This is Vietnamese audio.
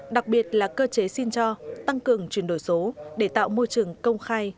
đặc biệt là cơ chế xin cho tăng cường chuyển đổi số để tạo môi trường công khai